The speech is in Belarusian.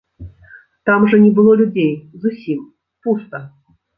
Там жа не было людзей зусім, пуста.